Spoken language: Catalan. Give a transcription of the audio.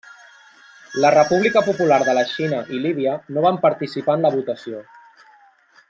La República Popular de la Xina i Líbia no van participar en la votació.